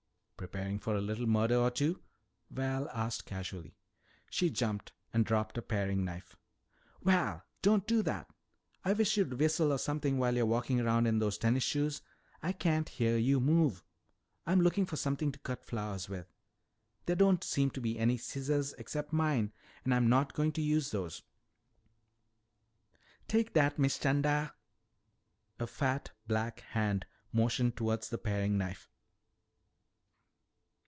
"Preparing for a little murder or two?" Val asked casually. She jumped and dropped a paring knife. "Val, don't do that! I wish you'd whistle or something while you're walking around in those tennis shoes. I can't hear you move. I'm looking for something to cut flowers with. There don't seem to be any scissors except mine and I'm not going to use those." "Take dat, Miss 'Chanda." A fat black hand motioned toward the paring knife.